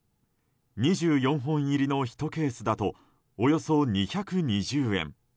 ２４本入りの１ケースだとおよそ２２０円。